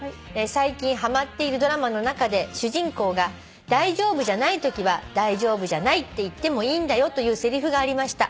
「最近ハマっているドラマの中で主人公が『大丈夫じゃないときは大丈夫じゃないって言ってもいいんだよ』というせりふがありました」